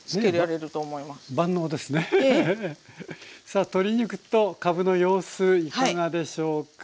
さあ鶏肉とかぶの様子いかがでしょうか？